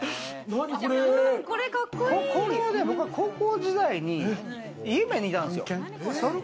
これは僕が高校時代に、イエメンにいたんですよ。